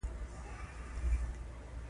بله ټیکسي راغله ودرېده.